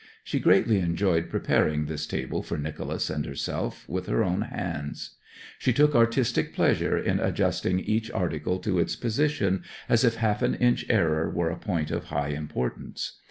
She greatly enjoyed preparing this table for Nicholas and herself with her own hands. She took artistic pleasure in adjusting each article to its position, as if half an inch error were a point of high importance.